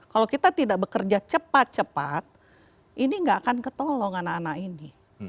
kalau kita tidak bekerja cepat cepat ini nggak akan ketolong anak anak ini